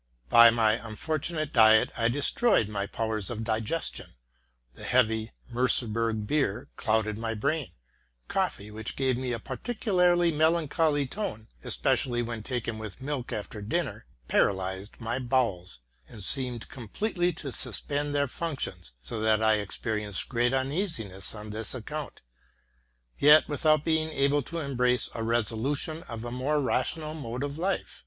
By an unfortunate diet I destroyed my pow ers of digestion; the heavy Merseburg beer clouded my brain ; coffee, which gave me a peculiarly melancholy tone, especially when taken with milk after dinner, paralyzed my bowels, and seemed completely to suspend their functions, so that I experienced great uneasiness on this account, yet without being able to embrace a resolution for a more ra tional mode of life.